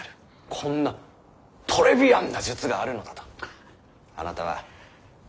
こんなトレビアンな術があるのだとあなたは俺に教えてくれた。